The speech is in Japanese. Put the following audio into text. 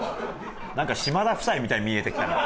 なんか島田夫妻みたいに見えてきたな。